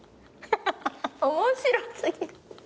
面白すぎ。